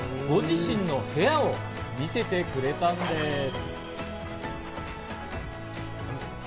ご自身の部屋を見せてくれたんです。